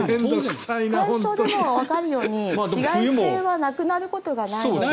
最初でもわかるように紫外線はなくなることはない。